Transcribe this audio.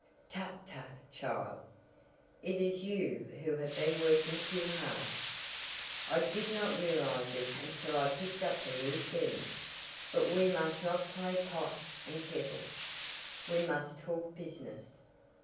"Tut, tut, child, it is you who have been working too hard. I did not realize it until I picked up the loose ends. But we must not play pot and kettle. We must talk business."